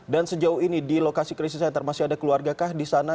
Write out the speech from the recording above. dan sejauh ini di lokasi crisis center masih ada keluarga di sana